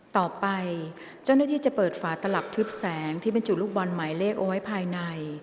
ต่อไปเจ้าหน้าที่จะเปิดฝาตลับทึบแสงที่บรรจุลูกบอลหมายเลขเอาไว้ภายใน